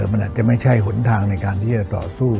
มันอาจจะไม่ใช่หนทางในการที่จะต่อสู้